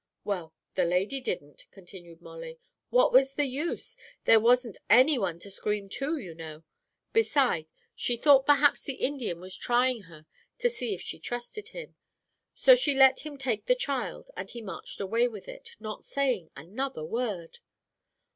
"Well, the lady didn't," continued Molly. "What was the use? There wasn't any one to scream to, you know. Beside, she thought perhaps the Indian was trying her to see if she trusted him. So she let him take the child, and he marched away with it, not saying another word.